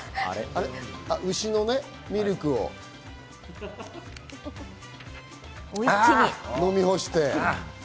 牛のミルクを飲み干して。